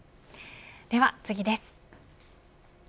では次です。